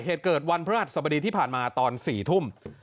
เหตุเกิดวันพระหัสสบดีที่ผ่านมาตอน๔ทุ่ม